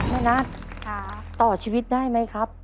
นัทต่อชีวิตได้ไหมครับ